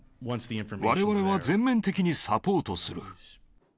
われわれは全面的にサポートする。